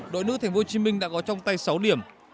đội nữ tp hcm đã có trong tay sáu điểm